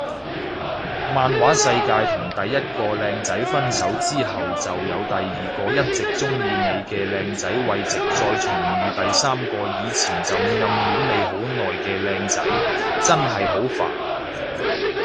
漫畫世界同第一個靚仔分手之後就有第二個一直鍾意你嘅靚仔慰藉再重遇第三個以前就暗戀你好耐嘅靚仔，真係好煩